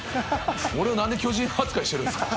俺を何で巨人扱いしてるんすか？